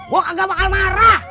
gue kagak bakal marah